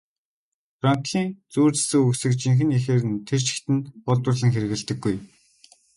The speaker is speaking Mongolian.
Франклин зүйр цэцэн үгсийг жинхэнэ эхээр нь тэр чигт нь хуулбарлан хэрэглэдэггүй.